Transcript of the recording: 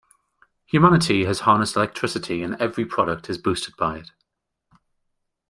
Humanity has harnessed electricity and every product is boosted by it.